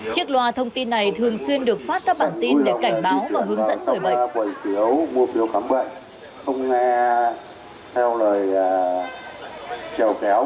chiếc loa thông tin này thường xuyên được phát các bản tin để cảnh báo và hướng dẫn người bệnh